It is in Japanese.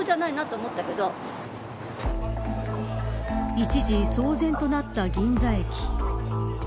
一時騒然となった銀座駅。